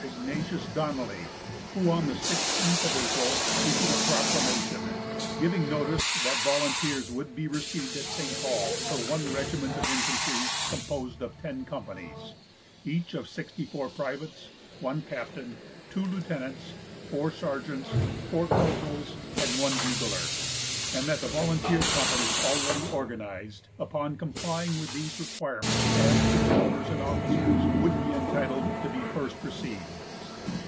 Ignatius Donnelly, who, on the 16th of April, issued a proclamation, giving notice that volunteers would be received at St. Paul for one regiment of infantry composed of ten companies, each of sixty four privates, one captain, two lieutenants, four sergeants, four corporals and one bugler, and that the volunteer companies already organized, upon complying with these requirements as to the numbers and officers, would be entitled to be first received.